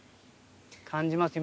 感じます